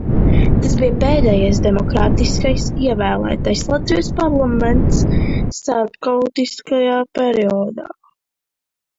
Tas bija pēdējais demokrātiski ievēlētais Latvijas parlaments starpkaru periodā.